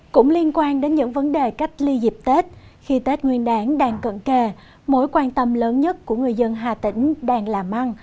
cũng liên quan đến những vấn đề cách ly dịp tết khi tết nguyên đáng đang cận kề mối quan tâm lớn nhất của người dân hà tĩnh đang làm ăn